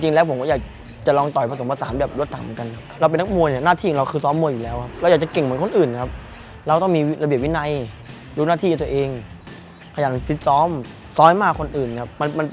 จริงแล้วผมก็อยากจะลองต่อยผสมผสานแบบรวดสามเหมือนกันครับ